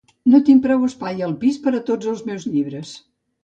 No tinc prou espai al pis per a tots els meus llibres.